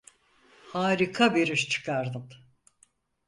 Harika bir iş çıkardın.